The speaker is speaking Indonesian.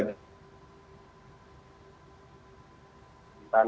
respon anda untuk manipolitik ini terlebih dahulu